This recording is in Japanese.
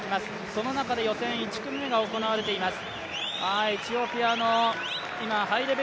その中で予選１組目が行われています。